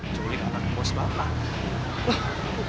nyulik anak bos bapak